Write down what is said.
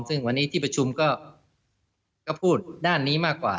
ซึ่งวันนี้ที่ประชุมก็พูดด้านนี้มากกว่า